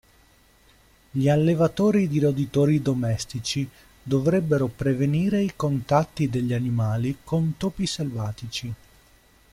Gli allevatori di roditori domestici dovrebbero prevenire i contatti degli animali con topi selvatici.